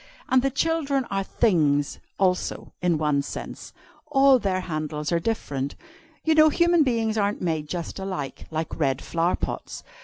And the children are 'things,' also, in one sense. All their handles are different. You know human beings aren't made just alike, like red flower pots.